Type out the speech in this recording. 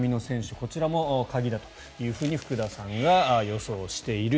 こちらも鍵だというふうに福田さんが予想している。